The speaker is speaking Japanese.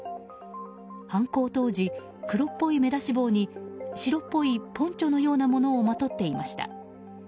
犯行当時、黒っぽい目出し帽に白っぽいポンチョのようなものをまとっていました。